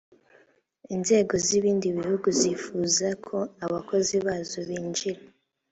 inzego z ibindi bihugu zifuza ko abakozi bazo binjira